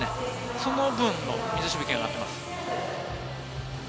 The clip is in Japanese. その分の水しぶきが上がってしまっています。